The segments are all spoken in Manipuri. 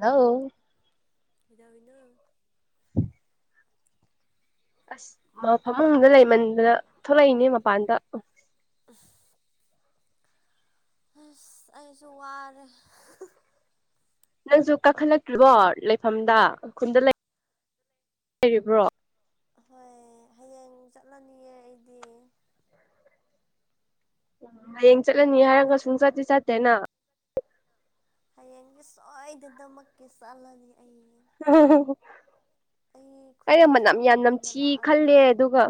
ꯍꯂꯣ ꯀꯩꯗꯧꯔꯤꯅꯣ ꯎꯝ ꯑꯁ ꯃ ꯐꯃꯨꯡꯗ ꯂꯩꯃꯟꯗꯅ ꯊꯣꯛꯂꯛꯏꯅꯦ ꯃꯄꯥꯟꯗ ꯑꯁ ꯑꯁ ꯑꯩꯁꯨ ꯋꯥꯔꯦ ꯅꯪꯁꯨ ꯀꯥꯈꯠꯂꯛ꯭ꯇꯔꯤꯕꯣ ꯂꯩꯐꯝꯗ ꯈꯨꯟꯗ ꯂꯩꯔꯤꯕ꯭ꯔꯣ ꯍꯣꯏ ꯍꯌꯦꯡ ꯍꯌꯦꯡ ꯆꯠꯂꯅꯤꯌꯦ ꯑꯩꯗꯤ [inaudible] ꯍꯌꯦꯡ ꯆꯠꯂꯅꯤ ꯍꯥꯏꯔꯒ ꯁꯨꯡ ꯆꯠꯇꯤ ꯆꯠꯇꯦꯅ ꯍꯌꯦꯡꯗꯤ ꯁꯣꯏꯗꯗꯃꯛꯀꯤ ꯆꯠꯂꯅꯤ ꯑꯩ ꯎꯝ ꯑꯩ ꯑꯩꯅ ꯈꯨꯟꯗꯁꯨ ꯃꯅꯝ ꯌꯥꯝ ꯑꯃꯨꯛ ꯍꯟꯅ ꯅꯝꯊꯤ ꯈꯜꯂꯦ ꯂꯥꯛꯑꯔꯣꯏꯌꯦ ꯑꯗꯨꯒ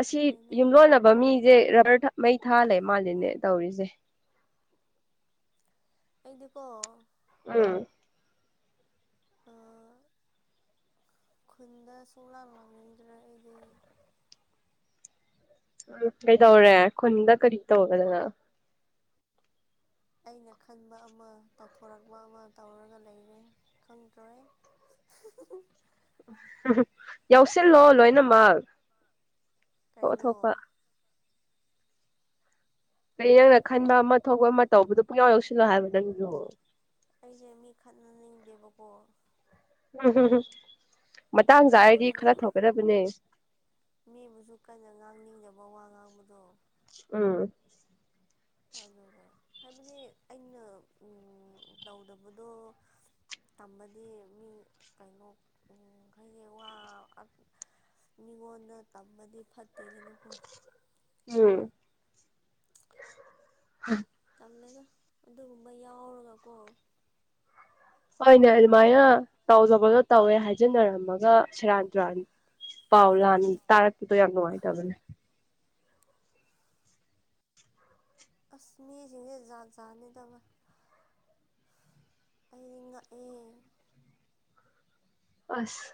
ꯑꯁꯤ ꯀꯩꯅꯣ ꯌꯨꯝꯂꯣꯟꯅꯕ ꯃꯤꯖꯦ ꯔꯕꯔ ꯊ ꯃꯩ ꯊꯥ ꯂꯩꯃꯜꯂꯦꯅꯦ ꯇꯧꯔꯤꯖꯦ ꯑꯩꯗꯤꯀꯣ ꯎꯝ ꯑ ꯈꯨꯟꯗ ꯁꯨꯡ ꯂꯥꯛ ꯂꯥꯛꯅꯤꯡꯗ꯭ꯔꯦ ꯑꯩꯗꯤ ꯎꯝ ꯀꯩꯗꯧꯔꯦ ꯈꯨꯟꯗ ꯀꯔꯤ ꯇꯧꯗꯅ ꯑꯩꯅ ꯈꯟꯕ ꯑꯃ ꯇꯧꯊꯣꯔꯛꯄ ꯑꯃ ꯇꯧꯔꯒ ꯂꯩꯔꯦ ꯈꯪꯗ꯭ꯔꯑꯦ ꯍꯤꯍꯤ [inaudible] ꯌꯥꯎꯁꯤꯜꯂꯣ ꯂꯣꯏꯅꯃꯛ ꯊꯣꯛ ꯀꯩꯅꯣ ꯊꯣꯛꯄ ꯀꯩ ꯅꯪꯅ ꯈꯟꯕ ꯑꯃ ꯊꯣꯛꯄ ꯑꯃ ꯇꯧꯕꯗꯨ ꯄꯨꯡꯌꯥꯎ ꯌꯥꯎꯁꯤꯜꯂꯣ ꯍꯥꯏꯕ ꯅꯪꯖꯨ ꯑꯩꯅꯦꯕꯥ ꯃꯤ ꯈꯠꯅꯅꯤꯡꯗꯦꯕꯀꯣ ꯎꯝꯝ ꯃꯇꯥꯡ ꯆꯥꯔꯗꯤ ꯃꯤꯕꯨꯁꯨ ꯈꯔ ꯊꯣꯛꯒꯗꯕꯅꯦ ꯃꯤꯕꯨꯁꯨ ꯀꯟꯅ ꯉꯥꯡꯅꯤꯡꯗꯕ ꯋꯥ ꯉꯥꯡꯕꯗꯣ ꯎꯝ ꯑꯗꯨꯒ ꯍꯥꯏꯕꯗꯤ ꯑꯩꯅ ꯎꯝ ꯇꯧꯗꯕꯗꯣ ꯇꯝꯕꯗꯤ ꯃꯤ ꯀꯩꯅꯣ ꯎꯝ ꯍꯥꯏꯗꯤ ꯋꯥ ꯑ ꯃꯤꯉꯣꯟꯗ ꯇꯝꯕꯗꯤ ꯐꯠꯇꯦ ꯎꯝ ꯇꯜꯂꯦꯗ ꯑꯗꯨꯒꯨꯝꯕ ꯌꯥꯎꯔꯒꯀꯣ ꯍꯣꯏꯅꯦ ꯑꯗꯨꯃꯥꯏꯅ ꯇꯧꯗꯕꯗꯣ ꯇꯧꯋꯦ ꯍꯥꯏꯖꯟꯅꯔꯝꯃꯒ ꯁꯦꯔꯥꯟ ꯇꯨꯔꯥꯟꯅꯤ ꯄꯥꯎ ꯂꯥꯟ ꯇꯥꯔꯛꯄꯗꯣ ꯌꯥꯝ ꯅꯨꯡꯉꯥꯏꯇꯕꯅꯦ ꯑꯁ ꯃꯤꯁꯤꯡꯁꯦ ꯖꯥꯠꯖꯥꯅꯤꯗꯕ ꯑꯩꯗꯤ ꯉꯛꯑꯦ ꯑꯁ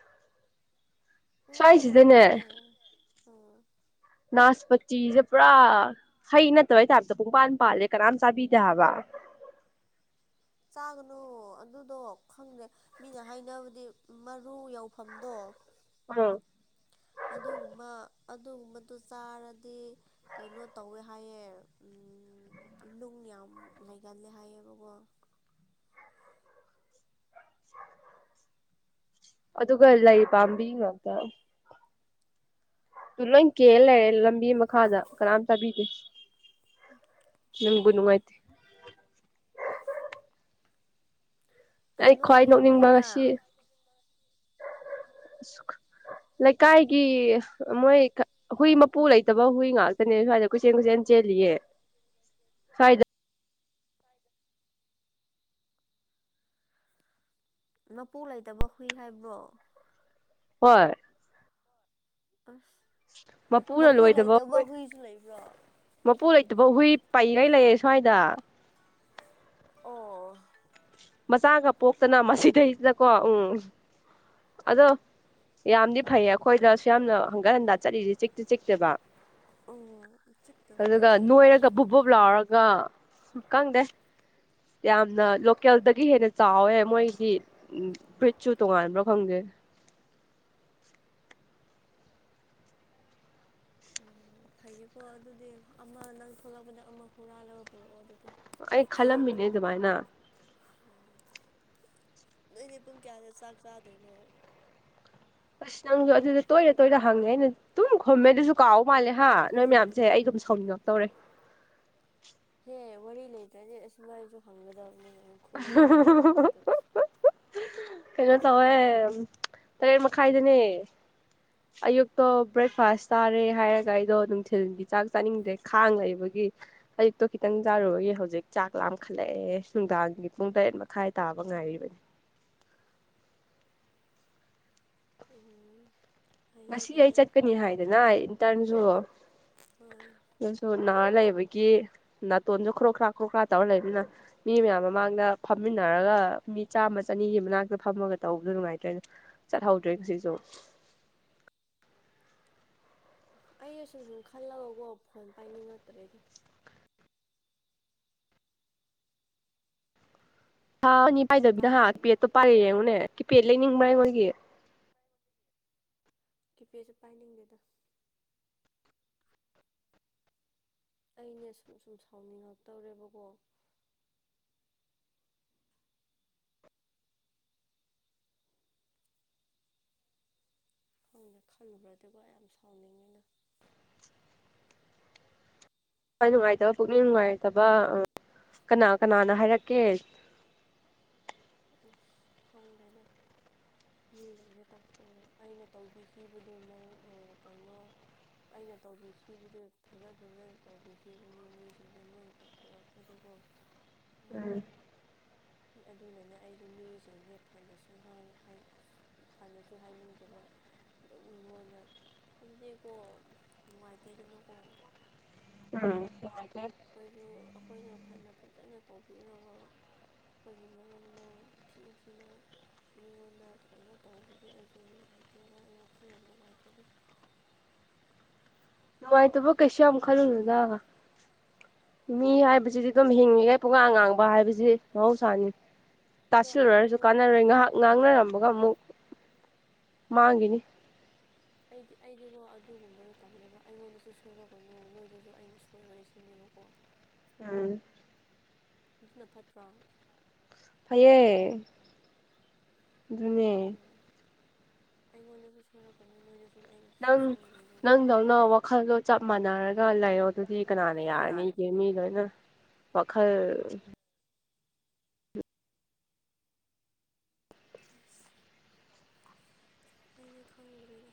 ꯉꯛꯄ ꯁ꯭ꯋꯥꯏꯁꯤꯗꯅꯦ ꯉꯥꯛꯇꯅꯦ ꯎꯝ ꯅꯥꯁ ꯄꯠꯇꯤꯁꯦ ꯄꯨꯔꯥ ꯍꯩ ꯅꯠꯇꯕꯩ ꯇꯥꯏꯞꯇ ꯄꯨꯡꯄꯥꯟ ꯄꯥꯜꯂꯦ ꯀꯅꯥꯝ ꯆꯥꯕꯤꯗꯦ ꯍꯥꯏꯕ ꯆꯥꯒꯅꯣ ꯑꯗꯨꯗꯣ ꯈꯪꯗꯦ ꯃꯤꯅ ꯍꯥꯏꯅꯕꯗꯤ ꯃꯔꯨ ꯌꯧꯐꯝꯗꯣ ꯎꯝ ꯑꯗꯨꯒꯨꯝꯕ ꯑꯗꯨꯒꯨꯝꯕꯗꯨ ꯆꯥꯔꯗꯤ ꯀꯩꯅꯣ ꯇꯧꯋꯦ ꯍꯥꯏꯌꯦ ꯎꯝ ꯅꯨꯡ ꯌꯥꯝ ꯂꯩꯒꯜꯂꯦ ꯍꯥꯏꯌꯦꯕꯀꯣ ꯑꯗꯨꯒ ꯂꯩ ꯄꯥꯝꯕꯤ ꯉꯥꯛꯇ ꯇꯨ ꯂꯣꯏ ꯀꯦꯜ ꯂꯩꯔꯦ ꯂꯝꯕꯤ ꯃꯈꯥꯗ ꯀꯅꯥꯝ ꯆꯥꯕꯤꯗꯦ ꯅꯨꯡꯕꯨ ꯑꯣ ꯅꯨꯡꯉꯥꯏꯇꯦ ꯑꯩ ꯑꯁ ꯈ꯭ꯋꯥꯏ ꯅꯣꯏꯒꯤ ꯅꯣꯛꯅꯤꯡꯕ ꯉꯁꯤ ꯍꯨꯏꯔꯥ ꯂꯩꯀꯥꯏꯒꯤ ꯃꯣꯏ ꯍꯨꯏ ꯃꯄꯨ ꯂꯩꯇꯕ ꯍꯨꯏ ꯉꯥꯛꯇꯅꯦ ꯁꯋꯥꯏꯗ ꯀꯁꯦꯟ ꯀꯁꯦꯟ ꯆꯦꯟꯂꯤꯌꯦ ꯁꯋꯥꯏꯗ ꯃꯥꯄꯨ ꯂꯩꯇꯕ ꯍꯨꯏ ꯍꯥꯏꯕ꯭ꯔꯣ ꯍꯣꯏ ꯑꯁ ꯃꯄꯨꯅ ꯃꯄꯨ ꯂꯣꯏꯗꯕ ꯂꯩꯇꯕ ꯍꯨꯏ ꯍꯨꯏꯁꯨ ꯂꯩꯕ꯭ꯔꯣ ꯃꯄꯨ ꯂꯩꯇꯕ ꯍꯨꯏ ꯄꯩꯒꯩ ꯂꯩꯌꯦ ꯁ꯭ꯋꯥꯏꯗ ꯑꯣ ꯃꯆꯥꯒ ꯄꯣꯛꯇꯅ ꯃꯁꯤꯗꯩꯁꯤꯗꯀꯣ ꯎꯝ ꯑꯗꯣ ꯌꯥꯝꯗꯤ ꯐꯩꯌꯦ ꯑꯩꯈꯣꯏꯗ ꯁ ꯌꯥꯝꯅ ꯍꯟꯒꯠ ꯍꯟꯗꯥ ꯆꯠꯂꯤꯖꯦ ꯆꯤꯛꯇꯤ ꯆꯤꯛꯇꯦꯕ ꯎꯝ ꯆꯤꯛꯇꯕ ꯑꯗꯨꯒ ꯍꯨꯏꯗꯤ ꯌꯥꯝ ꯅꯣꯏꯔꯒ ꯐꯩꯌꯦ ꯕꯨꯞ ꯕꯣꯞ ꯂꯥꯎꯔꯒ ꯈꯪꯗꯦ ꯌꯥꯝꯅ ꯂꯣ ꯀꯦꯜꯗꯒꯤ ꯍꯦꯟꯅ ꯆꯥꯎꯋꯦ ꯃꯣꯏꯗꯤ ꯕ꯭ꯔꯤꯠꯁꯨ ꯇꯣꯉꯥꯟꯕ꯭ꯔ ꯈꯪꯗꯦ [unintelligible] ꯐꯩꯌꯦꯀꯣ ꯑꯗꯨꯗꯤ ꯑꯃ ꯅꯪ ꯊꯣꯛꯂꯛꯄꯗ ꯑꯃ ꯍꯨꯔꯥꯜꯂꯒ ꯄꯨꯔꯛꯑꯣ ꯑꯗꯨꯗꯤ ꯑꯩ ꯈꯜꯂꯝꯃꯤꯅꯦ ꯑꯗꯨꯃꯥꯏꯅ ꯎꯝ ꯅꯣꯏꯗꯤ ꯄꯨꯡ ꯀꯌꯥꯗ ꯆꯥꯛ ꯆꯥꯗꯣꯏꯅꯣ ꯑꯁ ꯅꯪꯁꯨ ꯑꯗꯨꯗ ꯇꯣꯏꯅ ꯇꯣꯏꯅ ꯍꯪꯉꯦ ꯑꯩꯅ ꯑꯗꯨꯨꯝ ꯈꯨꯝꯃꯦ ꯑꯗꯨꯁꯨ ꯀꯥꯎ ꯃꯥꯜꯂꯦ ꯍꯥ ꯅꯣꯏ ꯃꯌꯥꯝꯁꯦ ꯑꯩꯗꯨꯝ ꯁꯥꯎꯅꯤꯡꯉꯛꯇꯧꯔꯦ ꯍꯦ ꯋꯥꯔꯤ ꯂꯩꯇ꯭ꯔꯗꯤ ꯑꯁꯨꯃꯥꯏꯁꯨ ꯍꯪꯒꯗꯕꯅꯦ ꯈꯨꯝꯅꯤꯡꯗ꯭ꯔꯁꯨ ꯈꯨꯝꯃꯣ ꯑꯗꯨ ꯀꯩꯅꯣ ꯇꯧꯋꯦ ꯇꯔꯦꯠ ꯃꯈꯥꯏꯗꯅꯦ [inaudible] ꯑꯌꯨꯛꯇꯣ ꯕ꯭ꯔꯦꯛꯐꯥꯁ ꯆꯥꯔꯦ ꯍꯥꯏꯔꯒ ꯑꯩꯗꯣ ꯅꯨꯡꯊꯤꯜꯒꯤ ꯆꯥꯛ ꯆꯥꯅꯤꯡꯗ꯭ꯔꯦ ꯈꯥꯡ ꯂꯩꯕꯒꯤ ꯑꯌꯨꯛꯇꯣ ꯈꯤꯇꯪ ꯆꯥꯔꯨꯕꯒꯤ ꯍꯧꯖꯤꯛ ꯆꯥꯛ ꯂꯥꯝꯈꯠꯂꯛꯑꯦ ꯅꯨꯡꯗꯥꯡꯒꯤ ꯄꯨꯡ ꯇꯔꯦꯠ ꯃꯈꯥꯏ ꯇꯥꯕ ꯉꯥꯏꯔꯤꯕꯅꯤ ꯎꯝ ꯐꯩꯌꯦ ꯉꯁꯤ ꯑꯩ ꯐꯩꯌꯦ ꯆꯠꯀꯅꯤ ꯍꯥꯏꯗꯅ ꯏꯟꯇꯔꯟꯁꯨ ꯍꯣꯏ ꯑꯗꯨꯁꯨ ꯅꯥ ꯂꯩꯕꯒꯤ ꯅꯥꯇꯣꯟꯁꯨ ꯈꯔꯣꯛ ꯈ꯭ꯔ ꯈꯨꯔꯣꯛ ꯈ꯭ꯔꯥ ꯇꯧꯔ ꯂꯩꯕꯅꯤꯅ ꯃꯤ ꯃꯌꯥꯝ ꯃꯃꯥꯡꯗ ꯐꯝꯃꯤꯟꯅꯔꯒ ꯃꯤ ꯆꯥꯝꯃ ꯆꯅꯤꯒꯤ ꯃꯅꯥꯛꯇ ꯐꯝꯃꯒ ꯇꯧꯕꯗꯣ ꯅꯨꯡꯉꯥꯏꯇꯣꯏꯅꯦꯣ ꯆꯠꯍꯧꯗ꯭ꯔꯦ ꯉꯁꯤꯁꯨ ꯑꯩ ꯁꯨꯝ ꯁꯨꯝ ꯈꯜꯂꯒꯀꯣ ꯐꯣꯟ ꯄꯥꯏꯅꯤꯡꯉꯛꯇ꯭ꯔꯦꯗ ꯊꯥ ꯑꯅꯤ ꯄꯥꯏꯗꯕꯤꯅ ꯍꯥ ꯇꯥꯕ꯭ꯔꯣ ꯄꯦꯠꯇꯣ ꯄꯥꯏꯔꯥ ꯌꯦꯡꯉꯨꯅꯦ ꯀꯤꯄꯦꯠ ꯂꯩꯅꯤꯡꯕ꯭ꯔꯥꯏ ꯃꯣꯏꯒꯤ ꯀꯤꯄꯦꯠꯁꯨ ꯄꯥꯏꯅꯤꯡꯗꯦꯗ ꯑꯩꯅꯦ ꯁꯨꯝ ꯁꯨꯝ ꯁꯥꯎꯅꯤꯡꯉꯛꯇꯧꯔꯦꯕꯀꯣ ꯈꯪꯗꯦ ꯈꯜꯂꯨꯕꯗꯀꯣ ꯌꯥꯝ ꯁꯥꯎꯅꯤꯡꯉꯦꯗ ꯊꯋꯥꯏ ꯅꯨꯡꯉꯥꯏꯇꯕ ꯄꯨꯛꯅꯤꯡ ꯅꯨꯡꯉꯥꯏꯇꯕ ꯀꯅꯥ ꯀꯅꯥꯅ ꯍꯥꯏꯔꯛꯀꯦ ꯑꯣ ꯍꯪꯒꯦꯅꯪ [unintelligible] ꯃꯤꯖꯤꯡꯖꯦ ꯇꯧꯊꯣꯛꯑꯒ ꯑꯩꯅ ꯇꯧꯕꯤꯈꯤꯕꯗꯨ ꯃꯔ ꯑ ꯀꯩꯅꯣ ꯑꯩꯅ ꯇꯧꯕꯤꯈꯤꯕꯗꯨ ꯐꯖ ꯐꯖꯅ ꯇꯧꯕꯤꯈꯤꯕꯅꯦ ꯃꯤꯁꯤꯡꯁꯦ ꯃꯣꯏ ꯇꯧꯊꯣꯔꯛꯄꯗꯤꯀꯣ ꯃꯔ [inaudible] ꯑꯗꯨꯅꯅꯦ ꯑꯩꯖꯦ ꯃꯤꯁꯤꯡꯖꯦ ꯐꯅꯁꯨ ꯉꯥꯡ ꯍꯥꯏ ꯐꯅꯁꯨ ꯍꯥꯏꯅꯤꯡꯗꯦꯕ ꯑꯗꯨꯝ ꯃꯤꯉꯣꯟꯗ ꯍꯥꯏꯕꯗꯤꯀꯣ ꯅꯨꯡꯉꯥꯏꯇꯦꯗꯅꯀꯣ ꯑ [inaudible] ꯑꯩꯈꯣꯏꯁꯨ ꯑꯩꯈꯣꯏꯅ ꯐꯅ ꯐꯖꯅ ꯇꯧꯕꯤꯔꯒ ꯑꯗꯨꯒꯤ ꯃꯔꯝꯅ ꯊꯤ ꯊꯤꯅ ꯃꯤꯉꯣꯟꯗ ꯀꯩꯅꯣ ꯇꯧꯕꯗꯤ ꯑꯩꯁꯨ ꯅꯨꯡꯉꯥꯏꯇꯦꯅ ꯑꯩ ꯋꯥꯈꯜ ꯌꯥꯝ ꯅꯨꯡꯉꯥꯏꯇꯦꯅ ꯅꯨꯡꯉꯥꯏꯇ ꯐꯣꯛ ꯀꯦ ꯁ꯭ꯃ ꯈꯜꯅ ꯂꯒ ꯃꯤ ꯍꯥꯏꯕꯁꯤꯗꯤ ꯑꯗꯨꯝ ꯍꯤꯡꯉꯤꯈ ꯄꯨꯡꯉ ꯉꯥꯡꯕ ꯋꯥ ꯍꯥꯏꯕꯁꯤ ꯃꯍꯧꯁꯥꯅꯤ ꯑꯗꯣ ꯇꯥꯁꯤꯜꯂꯔꯁꯨ ꯑꯩꯗꯤꯀꯣ ꯀꯥꯟꯅꯔꯣꯏ ꯉꯥꯏꯍꯥꯛ ꯉꯥꯡꯅꯔꯝꯃꯒ ꯑꯃꯨꯛ ꯃꯥꯡꯈꯤꯅꯤ ꯍ ꯑꯩꯗꯤ ꯑꯩꯗꯤꯀꯣ ꯑꯗꯨꯒꯨꯝꯕꯗꯣ ꯇꯜꯂꯦꯕ ꯑꯩꯉꯣꯟꯗꯁꯨ ꯁꯣꯏꯔꯣꯀꯣꯏ ꯅꯨ ꯅꯣꯏꯗꯁꯨ ꯑꯩꯅ ꯁꯣꯏꯔꯣꯏꯁꯤꯅꯦꯕꯀꯣ ꯎꯝ ꯑꯗꯨꯅ ꯐꯠꯇ꯭ꯔꯣ ꯑꯌꯦꯡ ꯑꯗꯣ ꯑꯩꯉꯣꯟꯗꯁꯨ ꯁꯣꯏꯔꯛꯄꯅꯨ ꯅꯣꯏꯗꯁꯨ ꯑꯩꯁꯨ ꯅꯪ ꯁꯣꯏꯔꯣꯏ ꯅꯪꯗꯧꯅ ꯋꯥꯈꯜꯗꯣ ꯆꯞ ꯃꯥꯟꯅꯔꯒ ꯂꯩꯔꯣ ꯑꯗꯨꯗꯤ ꯀꯅꯥꯅ ꯌꯥꯔꯅꯤꯒꯦ ꯃꯤ ꯂꯣꯏꯅ ꯎꯝ ꯄꯈꯥꯏ ꯑꯁ ꯑꯩꯅꯦ ꯈꯪꯗ꯭ꯔꯦꯗ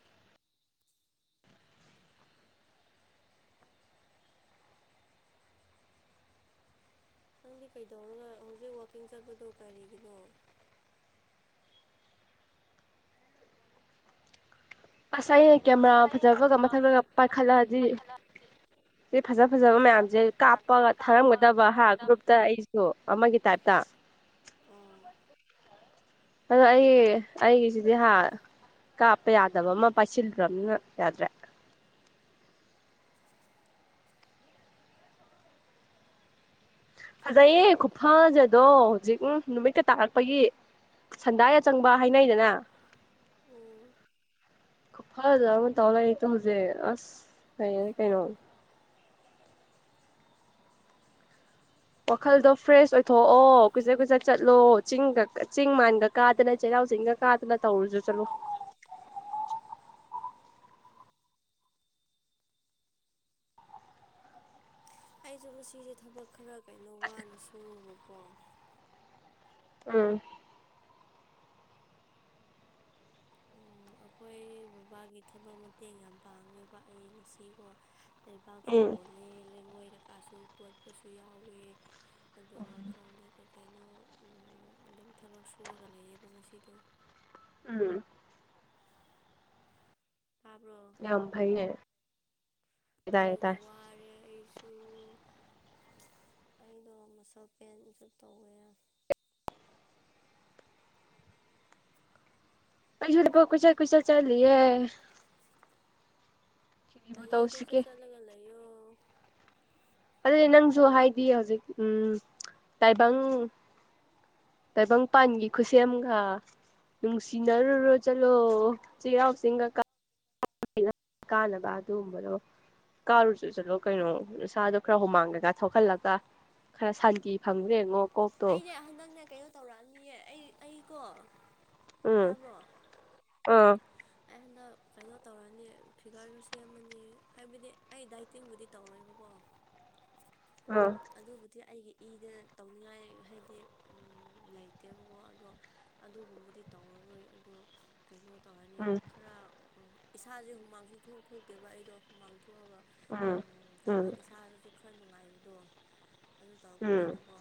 ꯅꯪꯗꯤ ꯀꯩꯗꯧꯔꯒ ꯍꯧꯖꯤꯛ ꯋꯥꯛꯀꯤꯡ ꯆꯠꯄꯗꯣ ꯀꯔꯤꯒꯤꯅꯣ ꯑꯁ ꯑꯩꯅ ꯀꯦꯃꯦꯔꯥ ꯑꯩ ꯐꯖꯕꯒ ꯐꯖ ꯃꯊꯂꯒ ꯃꯊꯛ ꯄꯥꯏꯈꯠꯂꯛꯑꯗꯤ ꯀꯥꯈꯠꯂꯗꯤ ꯁꯤ ꯐꯖ ꯐꯖꯕ ꯃꯌꯥꯝꯁꯦ ꯃꯌꯥꯝꯁꯦ ꯀꯥꯞꯄꯒ ꯀꯥꯞꯄ ꯊꯥꯔꯝꯒꯗꯕ ꯍꯥ ꯊꯥꯔꯝꯒꯗꯕ ꯒ꯭ꯔꯨꯞꯇ ꯑꯩꯁꯨ ꯑꯃꯒꯤ ꯇꯥꯏꯞꯇ ꯑ ꯑꯗꯣ ꯑꯩꯒꯤ ꯑꯩꯒꯤꯁꯤꯗꯤ ꯍꯥ ꯀꯥꯞꯄ ꯌꯥꯗꯕ ꯑꯃ ꯄꯥꯏꯁꯤꯟꯗ꯭ꯔꯝꯅ ꯌꯥꯗ꯭ꯔꯦ ꯐꯖꯩꯌꯦ ꯈꯨꯐꯖꯗꯣ ꯍꯧꯖꯤꯛ ꯅꯨꯃꯤꯠꯀ ꯇꯥꯔꯛꯄꯒꯤ ꯁꯟꯗꯥ ꯑ ꯆꯪꯕ ꯍꯥꯏꯅꯩꯗꯅ ꯎꯝ ꯐꯖ ꯑꯃ ꯇꯥꯎ ꯂꯩꯇꯣ ꯍꯧꯖꯤꯛ ꯑꯁ ꯂꯩꯌꯦ ꯀꯩꯅꯣ ꯋꯥꯈꯜꯗꯣ ꯐ꯭ꯔꯦꯁ ꯑꯣꯏꯊꯣꯛꯑꯣ ꯀꯨꯆꯠ ꯀꯨꯏꯆꯠ ꯆꯠꯂꯣ ꯆꯤꯡꯒ ꯆꯤꯡ ꯃꯥꯟꯒ ꯀꯥꯗꯅ ꯆꯩꯔꯥꯎ ꯆꯤꯡꯒ ꯀꯥꯗ ꯑꯗꯨꯅ ꯇꯧꯔꯨꯁꯨ ꯆꯠꯂꯣ ꯑꯩꯁꯨ ꯉꯁꯤꯁꯦ ꯊꯕꯛ ꯈꯔ ꯀꯩꯅꯣ ꯋꯥꯅ ꯁꯨꯕꯀꯣ ꯎꯝ ꯎꯝ ꯑꯩꯈꯣꯏ ꯕꯕꯥꯒꯤ ꯊꯕꯛ ꯃꯇꯦꯡ ꯌꯥꯝ ꯄꯥꯡꯉꯦꯕ ꯑꯩ ꯉꯁꯤꯀꯣ ꯂꯩꯕꯥꯛꯁꯨ ꯎꯝ ꯍꯣꯜꯂꯦ ꯂꯩꯉꯣꯏ ꯀꯩꯀꯥꯁꯨ ꯇꯣꯠꯄꯁꯨ ꯌꯥꯎꯋꯦ ꯑꯗꯨꯒ ꯈꯪꯗꯦ ꯀꯩ ꯀꯩꯅꯣ ꯑꯗꯨꯝ ꯊꯕꯛ ꯁꯨꯔꯒ ꯂꯩꯌꯦꯕ ꯉꯁꯤꯗꯣ ꯎꯝ ꯇꯥꯕ꯭ꯔꯣ ꯌꯥꯝ ꯐꯥꯏꯅꯦ ꯑꯗꯨꯒꯤ ꯋꯥꯔꯦ ꯑꯩꯁꯨ ꯑꯗꯨꯨ ꯑꯩꯗꯣ ꯃꯁꯜ ꯄꯦꯟꯁꯨ ꯇꯧꯋꯦ ꯑꯣ ꯀꯨꯁ ꯀꯨꯁ ꯆ ꯕꯨ ꯍꯥꯏꯌꯦ ꯄꯩꯁꯥ ꯇꯧꯁꯤꯒꯦ ꯆꯂꯒꯂꯣ ꯑꯗꯨꯗꯤ ꯅꯪꯁꯨ ꯍꯥꯏꯗꯤ ꯍꯧꯖꯤꯛ ꯎꯝ ꯇꯥꯏꯕꯪ ꯇꯥꯏꯕꯪꯄꯥꯟꯒꯤ ꯈꯨꯠꯁꯦꯝꯒ ꯅꯨꯡꯁꯤꯅꯔꯨꯔꯣ ꯆꯠꯂꯣ ꯆ ꯌꯥꯎ ꯆꯦꯡꯒꯀ ꯀꯥꯟꯅꯕ ꯑꯗꯨꯒꯨꯝꯕꯗꯣ ꯀꯥꯔꯨ ꯆ ꯆꯠꯂꯣ ꯀꯩꯅꯣ ꯅꯁꯥꯗꯣ ꯈꯔ ꯍꯨꯃꯥꯡꯒꯒ ꯊꯣꯛꯍꯜꯂꯒ ꯈꯔ ꯁꯥꯟꯇꯤ ꯐꯪꯗ꯭ꯔꯦꯉꯣ ꯑꯩꯅꯦ ꯍꯟꯗꯛꯅꯦ ꯀꯩꯅꯣ ꯇꯧꯔꯛꯑꯅꯤꯌꯦ ꯑꯩ ꯑꯩꯀꯣ ꯎꯝ ꯇꯥꯕ꯭ꯔꯣ ꯎꯝ ꯑꯩ ꯍꯟꯗꯛ ꯀꯩꯅꯣ ꯇꯧꯔꯅꯤ ꯐꯤꯒꯔꯁꯨ ꯁꯦꯝꯃꯅꯤ ꯍꯥꯏꯕꯗꯤ ꯑꯩ ꯗꯥꯏꯇꯤꯡꯕꯨꯗꯤ ꯇꯧꯔꯣꯏꯕꯀꯣ ꯑꯥ ꯑꯗꯨꯕꯨꯗꯤ ꯑꯩꯒꯤ ꯏꯗ ꯇꯧꯅꯤꯡꯉꯥꯏ ꯍꯥꯏꯗꯤ ꯂꯩꯇꯦꯕꯀꯣ ꯑꯗꯣ ꯑꯗꯨꯒꯨꯝꯕꯗꯤ ꯇꯧꯔꯔꯣꯏ ꯑꯗꯣ ꯀꯩꯅꯣ ꯇꯧꯔꯅꯤ ꯎꯝ ꯈꯔ ꯏꯁꯥꯁꯦ ꯍꯨꯃꯥꯡꯁꯨ ꯊꯣꯛ ꯊꯣꯛꯇꯦꯕ ꯑꯩꯗꯣ ꯍꯨꯃꯥꯡ ꯊꯣꯛꯑꯒ ꯎꯝ ꯎꯝ ꯀꯩꯅꯣ ꯏꯁꯥꯗꯁꯨ ꯈꯔ ꯅꯨꯡꯉꯥꯏꯕꯗꯣ ꯑꯗꯨ ꯎꯝ ꯇꯧꯛꯄꯅꯤꯅꯀꯣ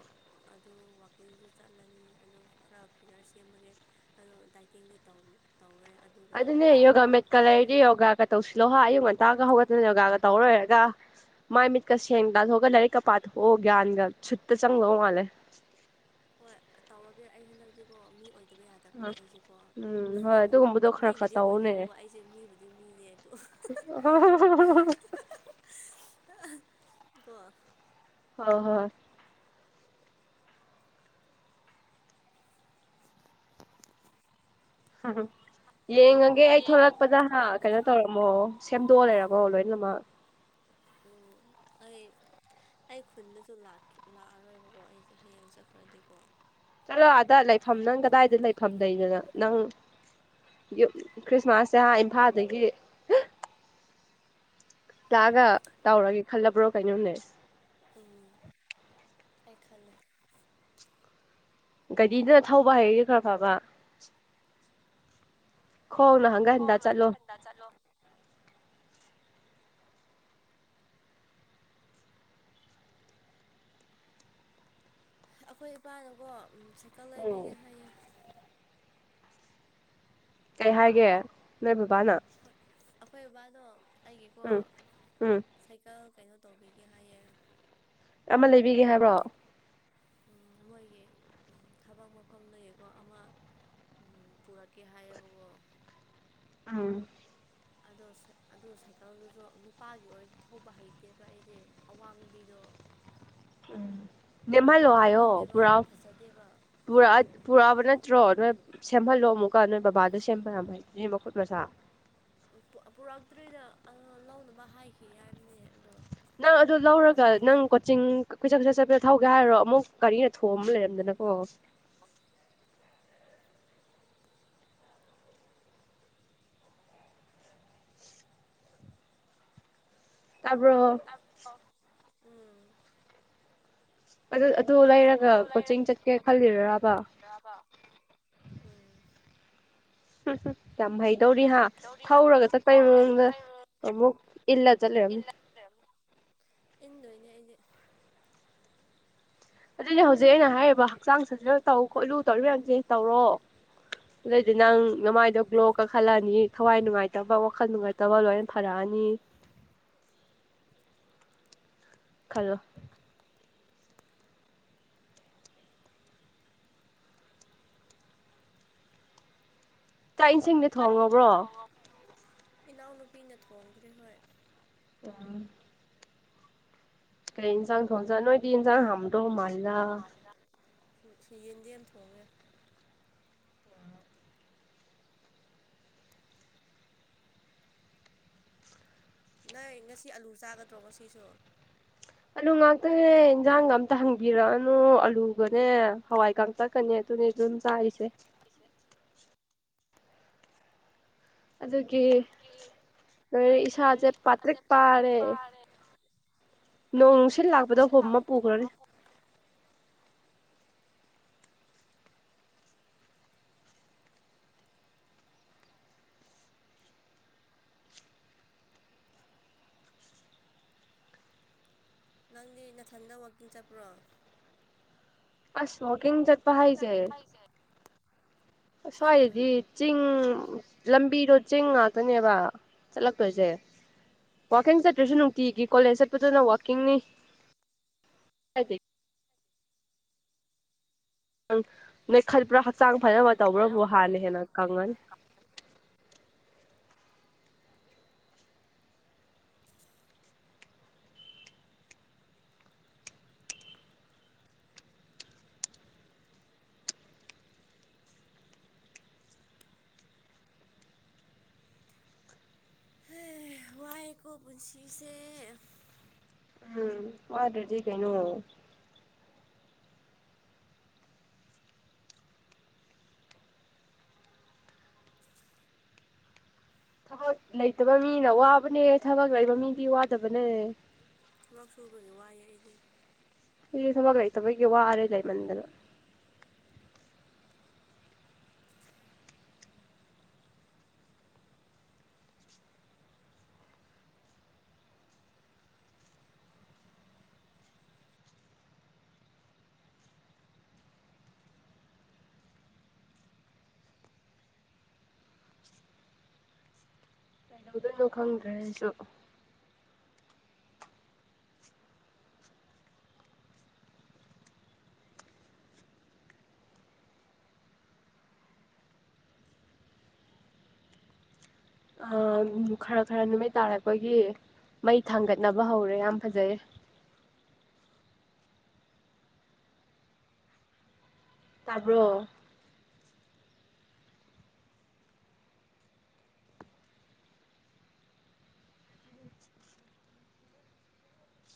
ꯑꯗꯨ ꯋꯥꯛꯀꯤꯡꯁꯨ ꯆꯠꯂꯅꯤ ꯑꯗꯨ ꯈꯔ ꯐꯤꯒꯔ ꯁꯦꯝꯃꯒꯦ ꯑꯗꯣ ꯗꯥꯏꯇꯤꯡꯗꯤ ꯇꯧ ꯇꯧꯔꯦ ꯑꯗꯨꯅꯦ ꯌꯣꯒꯥ ꯃꯦꯠꯀ ꯂꯩꯔꯗꯤ ꯌꯣꯒꯥꯒ ꯇꯧꯁꯤꯜꯂꯣ ꯍꯥꯏ ꯑꯌꯨꯛ ꯉꯟꯇꯥꯒ ꯍꯧꯒꯠꯇꯅ ꯌꯣꯒꯥꯒ ꯇꯧꯔꯣꯏꯔꯒ ꯃꯥꯏ ꯃꯤꯠꯀ ꯁꯦꯡꯅ ꯇꯥꯊꯣꯛꯑꯒ ꯂꯥꯏꯔꯤꯛꯀ ꯄꯥꯊꯣꯛꯑꯣ ꯒ꯭ꯌꯥꯟꯒ ꯁꯨꯠꯇ ꯆꯪꯂꯣ ꯃꯥꯜꯂꯦ ꯍꯣꯏ ꯇꯧꯔꯒꯦ ꯑꯩ ꯍꯟꯗꯛꯇꯤꯕꯣ ꯃꯤ ꯑꯣꯏꯗ ꯂꯩꯇꯕ ꯌꯥꯗꯕꯅꯦ ꯑꯩꯁꯦꯀꯣ ꯎꯝ ꯍꯣꯏ ꯑꯗꯨꯒꯨꯝꯕꯗꯣ ꯈꯔ ꯈꯔ ꯃꯤꯕꯨꯗꯤ ꯇꯧꯑꯣꯅꯦ ꯑꯣꯏꯔꯤꯕꯀꯣ ꯑꯩꯁꯦ ꯃꯤꯕꯨꯗꯤ ꯃꯤꯅꯦ ꯑꯗꯨ ꯑꯍꯥ ꯑꯍꯥ ꯀꯣ ꯍ ꯍꯣꯏ ꯌꯦꯡꯉꯒꯦ ꯑꯩ ꯊ ꯍꯌꯦꯡ ꯍꯣꯂꯛꯄꯗ ꯍꯥ ꯊꯣꯛꯂꯛ ꯀꯩꯅꯣ ꯇꯧꯔꯝꯃꯣ ꯁꯦꯝꯗꯣꯛꯑ ꯂꯩꯔꯝꯃꯣ ꯂꯣꯏꯅꯃꯛ ꯎꯝ ꯑꯩ ꯑꯩ ꯈꯨꯟꯗꯁꯨ ꯂꯥꯛꯑꯔꯣꯏꯕꯀꯣ ꯑꯩꯁꯦ ꯍꯌꯦꯡ ꯆꯠꯈ꯭ꯔꯗꯤꯀꯣ ꯆꯠꯂꯣ ꯑꯗ ꯂꯩꯐꯝ ꯅꯪ ꯀꯗꯥꯏꯗ ꯂꯩꯐꯝ ꯂꯩꯗꯅ ꯅꯪ ꯈ꯭ꯔꯤꯁꯃꯥꯁꯁꯦꯥꯟ ꯏꯝꯐꯥꯜꯗꯒꯤ ꯂꯥꯛꯑꯒ ꯇꯧꯔꯒꯦ ꯈꯜꯂꯕ꯭ꯔꯣ ꯀꯩꯅꯣꯝꯅꯦ ꯑꯥ ꯑꯦꯈꯜꯂꯦ ꯒꯥꯗꯤꯗꯨꯅ ꯊꯧꯕ ꯍꯥꯏꯁꯨ ꯈꯔ ꯐꯕ ꯈꯣꯡꯅ ꯍꯪꯒꯠ ꯍꯟꯗ ꯍꯣꯅ ꯆꯠꯂꯣ ꯊꯟꯗ ꯆꯂꯣ ꯑꯩꯈꯣꯏ ꯏꯄꯥꯅꯀꯣ ꯁꯥꯏꯀꯜ ꯎꯝ ꯂꯩꯕꯤꯒꯦ ꯍꯥꯏꯌꯦ ꯀꯩ ꯍꯥꯏꯒꯦ ꯅꯣꯏ ꯕꯕꯥꯅ ꯣꯏ ꯑꯩꯈꯣꯏ ꯕꯕꯥꯗꯣ ꯑꯩꯒꯦꯀꯣ ꯎꯝ ꯎꯝ ꯁꯥꯏꯀꯜ ꯀꯩꯅꯣ ꯇꯧꯕꯤꯒꯦ ꯍꯥꯏꯌꯦ ꯑꯃ ꯂꯩꯕꯤꯒꯦ ꯍꯥꯏꯕ꯭ꯔꯣ ꯃꯣꯏꯒꯤ ꯊꯕꯛ ꯃꯐꯝꯗꯒꯤꯀꯣ ꯑꯃ ꯎꯝ ꯄꯨꯔꯛꯀꯦ ꯍꯥꯏꯌꯦꯕꯀꯣ ꯑꯥ ꯑꯗꯣ ꯑꯗꯨ ꯁꯥꯏꯀꯜꯗꯨꯁꯨ ꯅꯨꯄꯥꯒꯤ ꯑꯣꯏ ꯊꯧꯕ ꯍꯩꯇꯦꯕ ꯑꯩꯁꯦ ꯑꯋꯥꯡꯕꯤꯗꯣ ꯎꯝ ꯊꯧꯂꯨ ꯅꯦꯝꯍꯜꯂꯣ ꯍꯥꯏꯌꯣ ꯊꯧꯅꯤꯡꯗꯦꯕ ꯄꯨꯔꯛ ꯐꯖꯗꯦꯕ ꯄꯨꯔꯛꯑ ꯄꯨꯔꯛꯑꯕ ꯅꯠꯇ꯭ꯔꯣ ꯅꯣꯏ ꯁꯦꯝꯍꯜꯂꯣ ꯑꯃꯨꯛꯀ ꯅꯣꯏ ꯕꯕꯥꯗꯣ ꯁꯦꯝꯕꯅ ꯍꯥꯏꯩ ꯁꯦꯝꯕꯨꯠ ꯃꯆꯥ ꯄꯨꯔꯛꯇ꯭ꯔꯤꯗ ꯂꯧꯅꯕ ꯍꯥꯏꯈꯤ ꯍꯥꯏꯕꯅꯦ ꯑꯗꯣ ꯅꯪ ꯑꯗꯨ ꯂꯧꯔꯒ ꯇꯜꯂꯦꯗ ꯅꯪ ꯆꯤꯡ ꯀꯩꯆꯠ ꯀꯨꯆꯠ ꯆꯠꯄꯦꯗ ꯊꯧꯒꯦ ꯍꯥꯏꯔꯣ ꯑꯃꯨꯛ ꯒꯥꯔꯤꯅ ꯊꯣꯡꯑꯝꯕ ꯂꯩꯔꯝꯗꯅꯀꯣ ꯍꯁ ꯇꯥꯄ ꯑꯣ ꯑꯗꯨ ꯑꯗꯨ ꯂꯩꯔꯒ ꯀꯣꯆꯤꯡ ꯆꯠꯀꯦ ꯈꯜꯂꯤꯔꯔꯕ ꯭ꯔꯕ ꯎꯝ ꯆ ꯀꯩꯗꯧꯔꯤ ꯍꯥ ꯗꯧꯔꯤ ꯊꯧꯔꯒ ꯆꯠꯄꯩ ꯃꯑꯣꯡꯗ ꯊꯧꯔꯒ ꯑꯃꯨꯛ ꯏꯜꯂ ꯆꯠꯂꯔꯝꯅꯤ [unintelligible] ꯏꯗꯨꯏꯅꯦ ꯑꯩ ꯑꯗꯨꯏꯗꯤ ꯍꯧꯖꯤꯛ ꯑꯩꯅ ꯍꯥꯏꯔꯤꯕ ꯍꯛꯆꯥꯡ ꯁꯥꯖꯦꯜ ꯇꯧ ꯈꯣꯠꯂꯨ ꯇꯧꯔꯤꯕ ꯃꯌꯥꯝꯁꯦ ꯇꯧꯔꯣ ꯑꯗꯨꯗꯩꯗꯤ ꯅꯪ ꯅꯃꯥꯏꯗꯣ ꯒ꯭ꯂꯣ ꯀꯥꯈꯠꯂꯑꯅꯤ ꯊꯋꯥꯏ ꯅꯨꯡꯉꯥꯏꯇꯕ ꯋꯥꯈꯜ ꯅꯨꯡꯉꯥꯏꯇꯕ ꯂꯣꯏꯅ ꯐꯔꯛꯑꯅꯤ ꯈꯜꯂꯣ ꯆꯥꯛ ꯏꯁꯤꯡꯗꯤ ꯊꯣꯡꯉꯕ꯭ꯔꯣ [unintelligible] ꯏꯅꯥꯎꯅꯨꯄꯤꯅ ꯊꯣꯡꯈ꯭ꯔꯦ ꯍꯣꯏ [unintelligible] ꯀꯩ ꯏꯟꯁꯥꯡ ꯊꯣꯡꯖꯥ ꯅꯣꯏꯗꯤ ꯏꯟꯖꯥꯡ ꯍꯥꯝꯗꯧ ꯃꯥꯂꯦ [unintelligible] ꯌꯦꯟꯗꯤꯌꯥꯝ ꯊꯣꯡꯉꯦ ꯅꯣꯏ ꯉꯁꯤ ꯑꯂꯨ ꯆꯥꯒꯗ꯭ꯔꯣ ꯉꯁꯤꯁꯨ ꯑꯥꯂꯨ ꯉꯥꯛꯇꯅꯦ ꯏꯟꯖꯥꯡꯒ ꯑꯝꯇ ꯍꯪꯕꯤꯔꯛꯑꯅꯨ ꯑꯥꯂꯨꯒꯅꯦ ꯍꯋꯥꯏ ꯀꯥꯛꯇꯛ ꯀꯅꯦ ꯑꯗꯨꯅꯤ ꯑꯗꯨꯝ ꯆꯥꯏꯁꯦ [unintelligible] ꯑꯗꯨꯒꯤ ꯂꯣꯏꯔꯦ ꯏꯁꯥꯁꯦ ꯄꯥꯇ꯭ꯔꯤꯛ ꯄꯥꯔꯦ ꯅꯣꯡꯁꯤꯜ ꯂꯥꯛꯄꯗ ꯅꯨꯡꯁꯤꯠ ꯍꯣꯝꯃ ꯂꯥꯛꯄ ꯄꯨꯈ꯭ꯔꯅꯤ ꯃꯄꯨ ꯅꯪꯗꯤ ꯅꯥꯊꯟꯗ ꯋꯥꯛꯀꯤꯡ ꯆꯠꯄ꯭ꯔꯣ ꯑꯁ ꯋꯥꯀꯤꯡ [unintelligible] ꯆꯠꯄ ꯍꯥꯏꯁꯦ ꯑꯁ꯭ꯋꯥꯏꯗꯤ ꯆꯤꯡ ꯂꯝꯕꯤꯗꯣ ꯆꯤꯡ ꯉꯥꯛꯇꯅꯦꯕ ꯆꯠꯂꯛꯇꯣꯏꯁꯦ ꯋꯥꯛꯀꯤꯡ ꯆꯠꯇ꯭ꯔꯁꯨ ꯅꯨꯡꯇꯤꯒꯤ ꯀꯣꯂꯦꯖ ꯆꯠꯄꯗꯨꯅ ꯋꯥꯛꯀꯤꯡꯅꯤ ꯅꯣꯏ ꯈꯠꯄ꯭ꯔꯥ ꯍꯛꯆꯥꯡ ꯐꯖꯅꯕ ꯇꯧꯕ꯭ꯔꯕꯨ ꯍꯥꯟꯅ ꯍꯦꯟꯅ ꯀꯪꯉꯅꯤ [unintelligible] ꯀꯥꯟꯅꯩ꯫ ꯋꯥꯏꯀꯣ ꯄꯨꯟꯁꯤꯁꯦ ꯎꯝ ꯋꯥꯗ꯭ꯔꯗꯤ ꯀꯩꯅꯣ ꯊꯕꯛ ꯂꯩꯇꯕ ꯃꯤꯅ ꯋꯥꯕꯅꯦ ꯊꯕꯛ ꯂꯩꯕ ꯃꯤꯗꯤ ꯋꯥꯗꯕꯅꯦ ꯊꯕꯛ ꯁꯨꯕꯒꯤ ꯋꯥꯏ ꯑꯩꯗꯤ ꯑꯩꯁꯨ ꯊꯥꯕꯛ ꯂꯩꯇꯕꯒꯤ ꯋꯥꯔꯦ ꯂꯩꯃꯟꯗꯅꯥ [unintelligible] ꯈꯪꯗ꯭ꯔꯦꯑꯩꯁꯨ ꯑꯥ ꯈꯔ ꯈꯔ ꯅꯨꯃꯤꯠ ꯇꯥꯔꯛꯄꯒꯤ ꯃꯩ ꯊꯥꯡꯒꯠꯅꯕ ꯍꯧꯔꯦ ꯌꯥꯝ ꯐꯖꯩꯌꯦ ꯇꯥꯕ꯭ꯔꯣ